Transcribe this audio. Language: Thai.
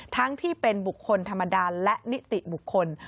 ที่เป็นบุคคลธรรมดาและนิติบุคคล